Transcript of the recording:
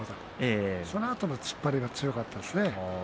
そのあとの突っ張りが強かったです。